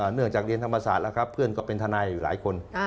เนื่องจากเรียนธรรมศาสตร์แล้วครับเพื่อนก็เป็นทนายอยู่หลายคน